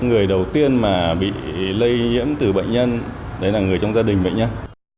người đầu tiên mà bị lây nhiễm từ bệnh nhân đấy là người trong gia đình bệnh nhân